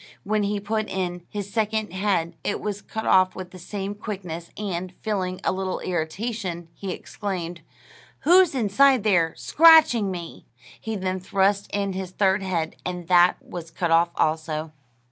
When he put in his second head it was cut off with the same quickness; and, feeling a little irritation, he exclaimed, "Who's inside there, scratching me?" He then thrust in his third head, and that was cut off also.